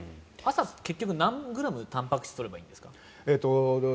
朝、結局何グラム、たんぱく質を取ればいいんですか？